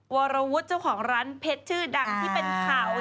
วรวุฒิเจ้าของร้านเพชรชื่อดังที่เป็นข่าว